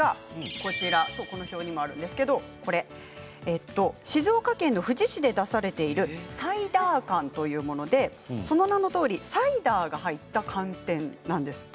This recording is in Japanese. この表にもある静岡県富士市で出されているサイダーかんというもので、その名のとおりサイダーが入った寒天なんです。